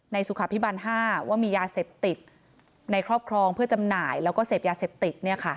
สุขภิบัน๕ว่ามียาเสพติดในครอบครองเพื่อจำหน่ายแล้วก็เสพยาเสพติด